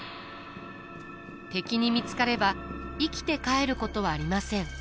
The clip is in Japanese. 敵に見つかれば生きて帰ることはありません。